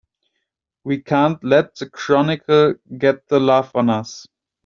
We can't let the Chronicle get the laugh on us!